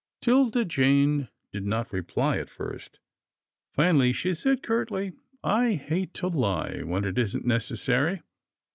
'Tilda Jane did not reply at first. Finally she said curtly, " I hate to lie when it isn't necessary.